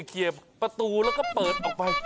ก็เคลียร์ประตูแล้วก็เปิดออกไป